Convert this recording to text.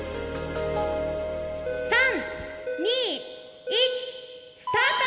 ３２１スタート！